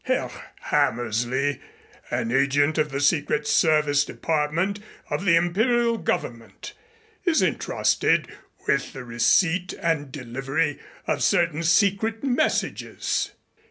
Herr Hammersley, an agent of the Secret Service Department of the Imperial Government, is intrusted with the receipt and delivery of certain secret messages.